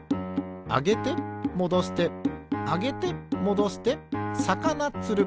あげてもどしてあげてもどしてさかなつる。